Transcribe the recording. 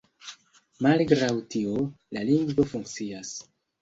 Malgraŭ tio, la lingvo funkcias.